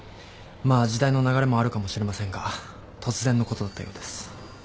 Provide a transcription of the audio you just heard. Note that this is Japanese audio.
まあ時代の流れもあるかもしれませんが突然のことだったようです。